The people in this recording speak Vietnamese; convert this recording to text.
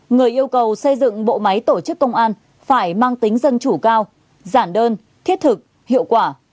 người yêu cầu xây dựng bộ máy tổ chức công an phải mang tính dân chủ cao giản đơn thiết thực hiệu quả